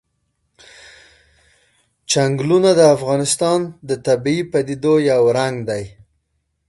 چنګلونه د افغانستان د طبیعي پدیدو یو رنګ دی.